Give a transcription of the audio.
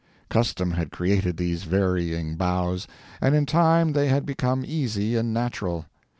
Custom had created these varying bows, and in time they had become easy and natural.